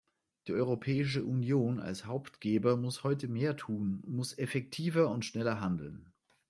Die Europäische Union als Hauptgeber muss heute mehr tun, muss effektiver und schneller handeln.